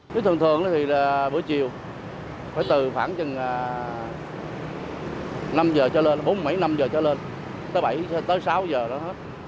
với thường thường thì bữa chiều phải từ khoảng năm giờ cho lên bốn mấy năm giờ cho lên tới sáu giờ đó hết